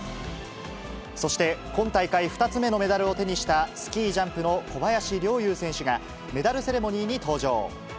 そして、今大会２つ目のメダルを手にしたスキージャンプの小林陵侑選手が、メダルセレモニーに登場。